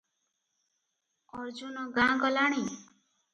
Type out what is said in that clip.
ଅର୍ଜୁନଗାଁ ଗଲାଣି?